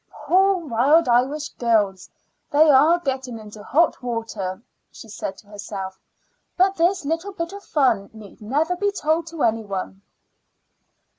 "Poor Wild Irish Girls! they are getting into hot water," she said to herself. "But this little bit of fun need never be told to any one."